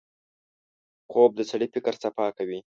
خوب د سړي فکر صفا کوي